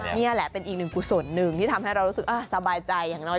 นี่แหละเป็นอีกหนึ่งกุศลหนึ่งที่ทำให้เรารู้สึกสบายใจอย่างน้อย